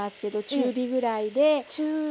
中火ぐらいで。